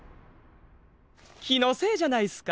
きのせいじゃないすか？